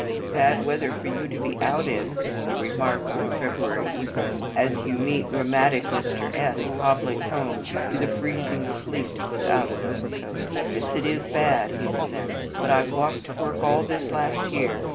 "Bad weather for you to be out in," you remark on a February evening, as you meet rheumatic Mr. S. hobbling home through the freezing sleet without an overcoat. "Yes, it is bad," he assents: "but I've walked to work all this last year.